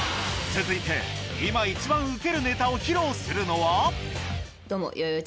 続いて今一番ウケるネタを披露するのはどうもよよよ